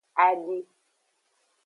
Adi.